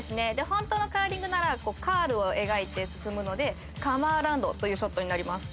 ホントのカーリングならカールを描いて進むのでカムアラウンドというショットになります。